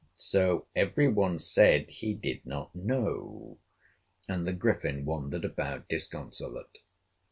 So every one said he did not know, and the Griffin wandered about disconsolate.